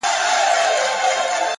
نیک چلند د انسان بوی دی!